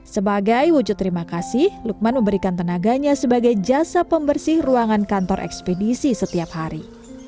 sebagai wujud terima kasih lukman memberikan tenaganya sebagai jasa pembersih ruangan kantor ekspedisi setiap hari